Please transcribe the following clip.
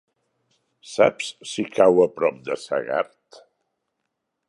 Saps si cau a prop de Segart?